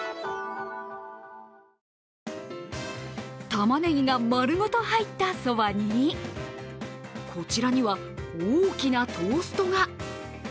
たまねぎがまるごと入ったそばに、こちらには大きなトーストが。